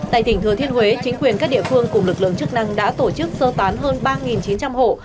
tại tỉnh thừa thiên huế chính quyền các địa phương cùng lực lượng chức năng đã tổ chức sơ tán hơn ba chín trăm linh hộ